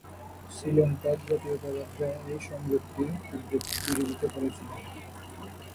শ্রীলঙ্কার জাতীয়তাবাদীরা এই সংযুক্তির তীব্র বিরোধিতা করেছিল।